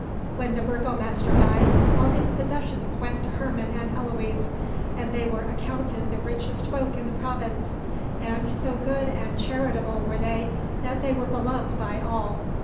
When the burgomaster died all his possessions went to Herman and Eloise; and they were accounted the richest folk in the province, and so good and charitable were they that they were beloved by all.